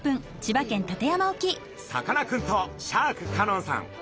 さかなクンとシャーク香音さん